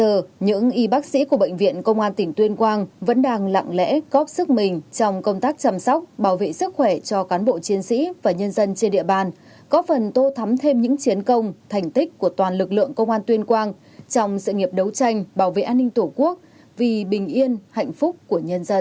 giờ những y bác sĩ của bệnh viện công an tỉnh tuyên quang vẫn đang lặng lẽ góp sức mình trong công tác chăm sóc bảo vệ sức khỏe cho cán bộ chiến sĩ và nhân dân trên địa bàn có phần tô thắm thêm những chiến công thành tích của toàn lực lượng công an tuyên quang trong sự nghiệp đấu tranh bảo vệ an ninh tổ quốc vì bình yên hạnh phúc của nhân dân